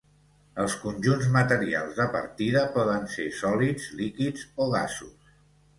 Els conjunts materials de partida poden ser sòlids, líquids o gasos.